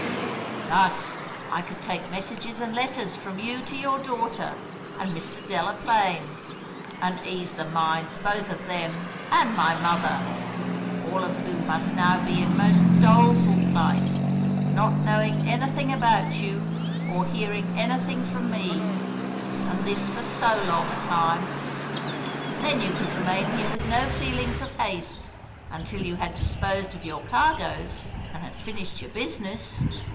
Thus I could take messages and letters from you to your daughter and Mr. Delaplaine, and ease the minds both of them and my mother, all of whom must now be in most doleful plight, not knowing anything about you or hearing anything from me, and this for so long a time; then you could remain here with no feelings of haste until you had disposed of your cargoes and had finished your business."